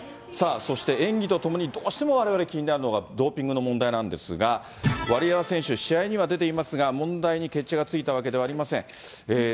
さあそして、演技とともにどうしてもわれわれ、気になるのがドーピングの問題なんですが、ワリエワ選手、試合には出ていますが、問題に決着がついたわけではありません。